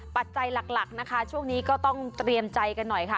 ปัจจัยหลักนะคะช่วงนี้ก็ต้องเตรียมใจกันหน่อยค่ะ